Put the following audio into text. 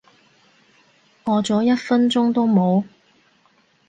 過咗一分鐘都冇